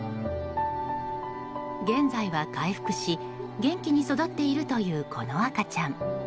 現在は回復し元気に育っているというこの赤ちゃん。